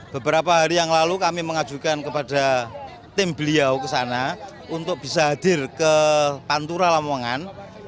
beberapa hari yang lalu kami mengajukan kepada tim beliau ke sana untuk bisa hadir ke pantura lamongan